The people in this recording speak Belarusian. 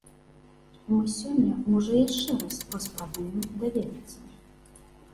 Мы сёння можа яшчэ раз паспрабуем даведацца.